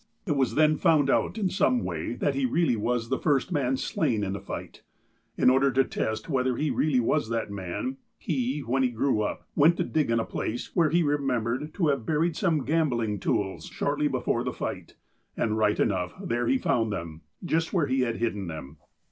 " It was then found out in some way that he really was the first man slain in the fight. In order to test whether he really was that man, he, when he grew up, went to dig in a place where he remembered to have buried some gambling tools shortly before the fight, and, right enough, there he found them, just where he had hidden them."